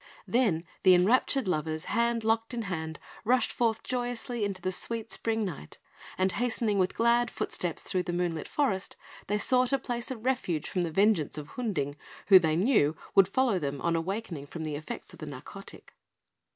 Then the enraptured lovers, hand locked in hand, rushed forth joyously into the sweet spring night; and hastening with glad footsteps through the moonlit forest, they sought a place of refuge from the vengeance of Hunding, who, they knew, would follow them on awakening from the effects of the narcotic.